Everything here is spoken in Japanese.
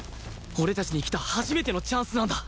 俺たちにきた初めてのチャンスなんだ